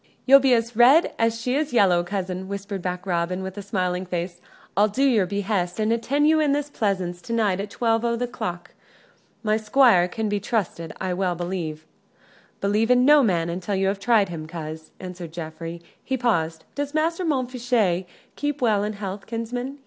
"You'll be as red as she is yellow, cousin," whispered back Robin, with smiling face. "I'll do your behest, and attend you in this pleasance to night at twelve o' th' clock. My squire can be trusted, I well believe." "Believe in no man until you have tried him, coz," answered Geoffrey. He paused. "Does Master Montfichet keep well in health, kinsman?"